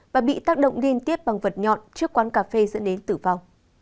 và bị tác động liên tiếp bằng vật nhọn trước quán cà phê dẫn đến tử vong